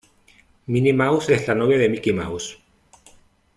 Minnie Mouse es la novia de Mickey Mouse.